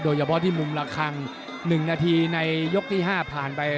โดยเฉพาะที่มุมระคัง๑นาทีในยกที่๕ผ่านไป